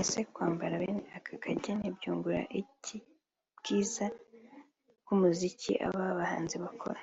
Ese kwambara bene aka kageni byungura iki bwiza bw’umuziki aba bahanzi bakora